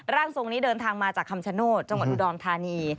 ร่างทรงนี้เดินทางมาจากคำชโนธจังหวัดอุดรธานี